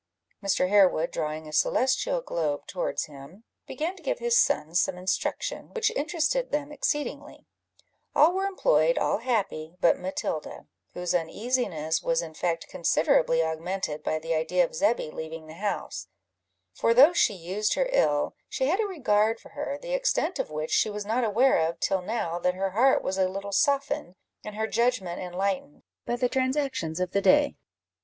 Mr. Harewood, drawing a celestial globe towards him, began to give his sons some instruction, which interested them exceedingly; all were employed, all happy, but Matilda, whose uneasiness was in fact considerably augmented by the idea of Zebby leaving the house; for though she used her ill, she had a regard for her, the extent of which she was not aware of till now that her heart was a little softened, and her judgment enlightened, by the transactions of the day.